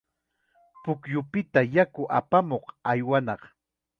Pukyupita yaku apamuq aywanaq.